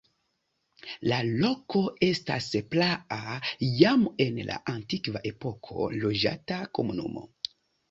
La loko estas praa, jam en la antikva epoko loĝata komunumo.